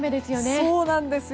そうなんですよ。